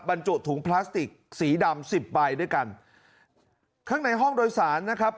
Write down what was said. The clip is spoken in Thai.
บรรจุถุงพลาสติกสีดำสิบใบด้วยกันข้างในห้องโดยสารนะครับ